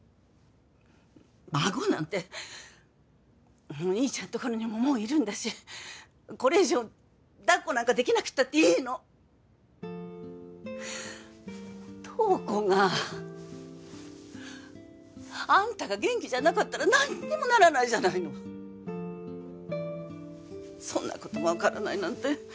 孫なんてお兄ちゃんところにももういるんだしこれ以上だっこなんかできなくったっていいの瞳子があんたが元気じゃなかったら何にもならないじゃないのそんなことも分からないなんて